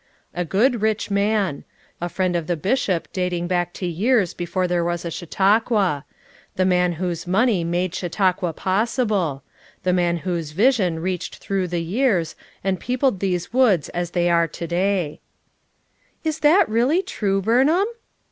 "A good, rich man; a friend of the Bishop dating back to years before there was a Chau tauqua; the man whose money made Chautau qua possible; the man whose vision reached through the years and peopled these woods as they are to day/" "Is that really true, Burnham?"